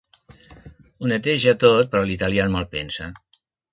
Ho neteja tot, però l'italià en malpensa.